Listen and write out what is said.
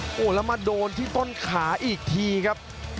โอ้โหแล้วมาโดนที่ต้นขาอีกทีครับ